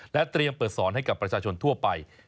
เตรียมเปิดสอนให้กับประชาชนทั่วไป